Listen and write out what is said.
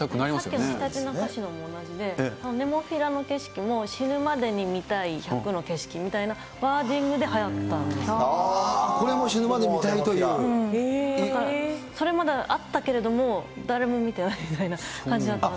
さっきのひたちなか市も同じで、ネモフィラの景色も、死ぬまでに見たい１００の景色みたいなワーこれも死ぬまでに見たいといそれまであったけれども、誰も見てないみたいな感じだったので。